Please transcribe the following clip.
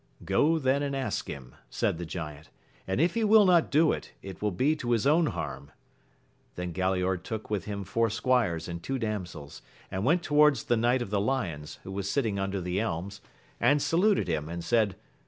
Go then and ask him, said the giant, and if he will not do it, it will be to his own harm. Then Galaor took with him four squires and two damsels, and went towards the knight of the lions, who was sitting under the elms, and saluted him and said.